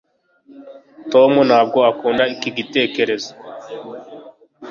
tom ntabwo akunda iki gitekerezo